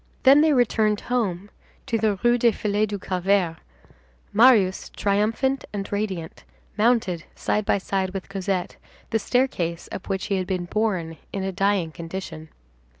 Then they returned home to the Rue des Filles du Calvaire. Marius, triumphant and radiant, mounted side by side with Cosette the staircase up which he had been borne in a dying condition.